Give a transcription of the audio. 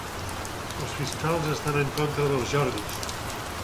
Els fiscals estan en contra dels Jordis